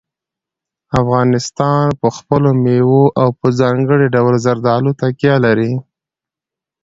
افغانستان په خپلو مېوو او په ځانګړي ډول زردالو تکیه لري.